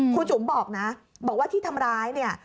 จุ๋มบอกนะบอกว่าที่ทำร้ายเนี่ย